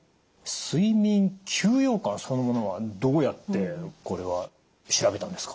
睡眠休養感そのものはどうやってこれは調べたんですか？